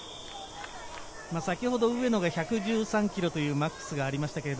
上野が１１３キロというマックスが先ほどありました。